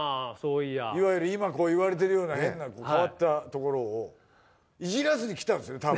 いわゆる今言われてるような変わったところをイジらずに来たんですよね多分。